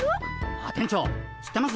あっ店長知ってます？